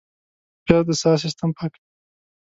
پیاز د ساه سیستم پاکوي